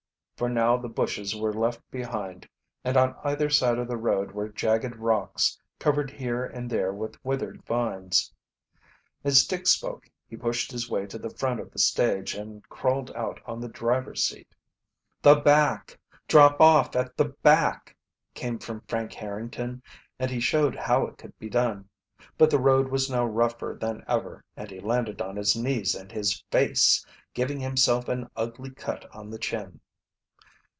For now the bushes were left behind, and on either side of the road were jagged rocks, covered here and there with withered vines. As Dick spoke he pushed his way to the front of the stage and crawled out on the driver's seat. "The back drop off at the back!" came from Frank Harrington, and he showed how it could be done. But the road was now rougher than ever, and he landed on his knees and his face, giving himself an ugly cut on the chin.